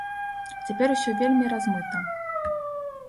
Цяпер усё вельмі размыта.